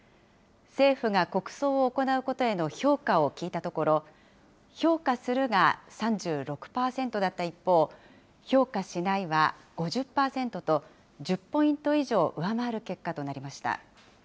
政府が国葬を行うことへの評価を聞いたところ、評価するが３６％だった一方、評価しないは５０％と、１０ポイント以上、上回る結果となりました。